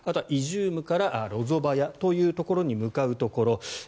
イジュームからロゾバヤというところに向かうところ。